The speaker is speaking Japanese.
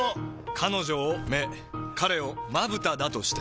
彼女を目彼をまぶただとして。